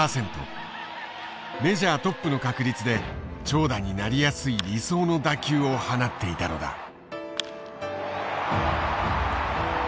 メジャートップの確率で長打になりやすい理想の打球を放っていたのだ。